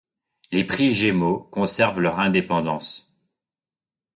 Les prix Gémeaux conservent leur indépendance.